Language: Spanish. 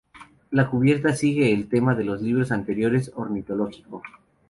La cubierta sigue el tema de los libros anteriores ornitológico.